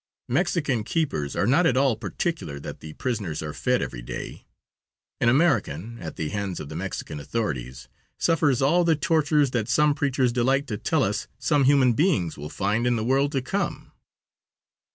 Mexican keepers are not at all particular that the prisoners are fed every day. An American, at the hands of the Mexican authorities, suffers all the tortures that some preachers delight to tell us some human beings will find in the world to come.